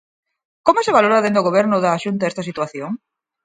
¿Como se valora dende o Goberno da Xunta esta situación?